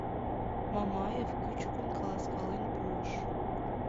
Мамаев кӱчыкын каласкален пуыш.